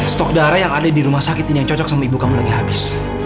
stok darah yang ada di rumah sakit ini yang cocok sama ibu kamu lagi habis